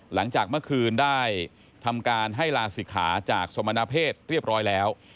หลังจากเมื่อคืนได้ทำการให้ลาศิกขาจากสมณเพศเรียบร้อยแล้ว